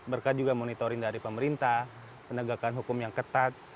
berkat juga monitoring dari pemerintah penegakan hukum yang ketat